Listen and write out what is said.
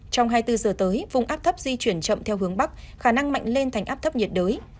trong hai mươi bốn giờ tới vùng áp thấp di chuyển chậm theo hướng bắc khả năng mạnh lên thành áp thấp nhiệt đới